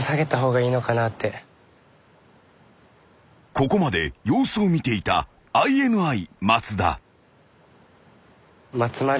［ここまで様子を見ていたＩＮＩ松田］